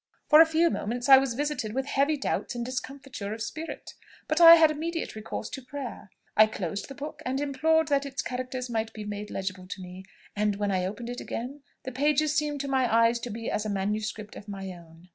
For a few moments I was visited with heavy doubts and discomfiture of spirit, but I had immediate recourse to prayer. I closed the book, and implored that its characters might be made legible to me; and when I opened it again, the pages seemed to my eyes to be as a manuscript of my own."